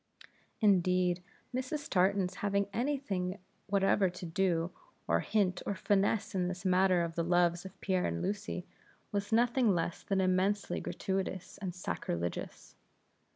Indeed, Mrs. Tartan's having any thing whatever to do, or hint, or finesse in this matter of the loves of Pierre and Lucy, was nothing less than immensely gratuitous and sacrilegious.